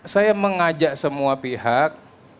saya mengajak semua pihak